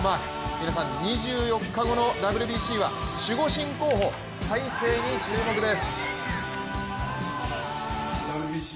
皆さん２４日後のＷＢＣは守護神候補・大勢に注目です。